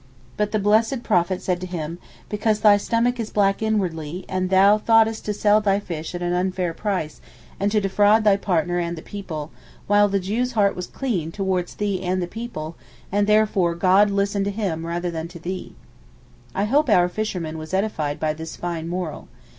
But the blessed Prophet said to him, 'Because thy stomach is black inwardly, and thou thoughtest to sell thy fish at an unfair price, and to defraud thy partner and the people, while the Jew's heart was clean towards thee and the people, and therefore God listened to him rather than to thee.' I hope our fisherman was edified by this fine moral.